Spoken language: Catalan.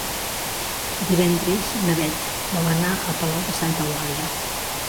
Divendres na Beth vol anar a Palau de Santa Eulàlia.